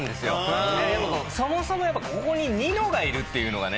そもそもここにニノがいるっていうのがね。